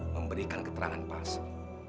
memberikan keterangan palsu